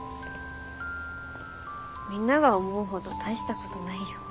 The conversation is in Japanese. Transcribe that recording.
みんなが思うほど大したことないよ。